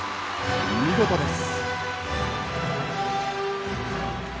見事です。